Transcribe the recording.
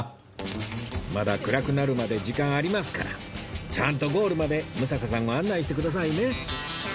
まだ暗くなるまで時間ありますからちゃんとゴールまで六平さんを案内してくださいね